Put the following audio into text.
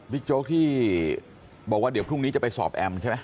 โจ๊กที่บอกว่าเดี๋ยวพรุ่งนี้จะไปสอบแอมใช่ไหม